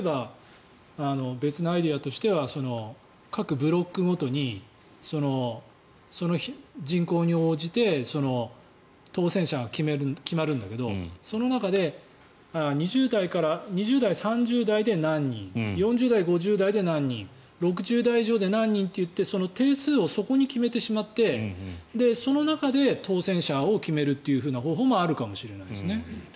別のアイデアとしては各ブロックごとにその人口に応じて当選者が決まるんだけどその中で２０代、３０代で何人４０代、５０代で何人６０代以上で何人といって定数をそこに決めてしまってその中で当選者を決めるというふうな方法もあるかもしれないですね。